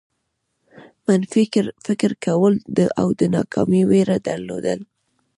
منفي فکر کول او د ناکامۍ وېره درلودل.